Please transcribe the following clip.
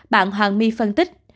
bạn hoàng my phân tích